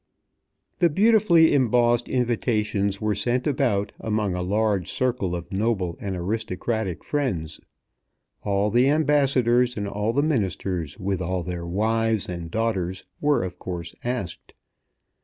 The beautifully embossed invitations were sent about among a large circle of noble and aristocratic friends. All the Ambassadors and all the Ministers, with all their wives and daughters, were, of course, asked.